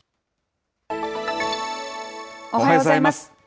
おはようございます。